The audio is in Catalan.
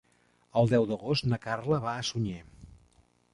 El deu d'agost na Carla va a Sunyer.